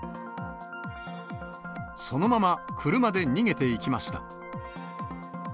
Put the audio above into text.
そのまま車で逃げていきました。